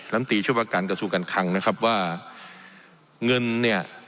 น้ำตรีช่วยประกาศกระซุกกันครังนะครับว่าเงินเนี่ย